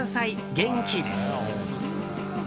元気です。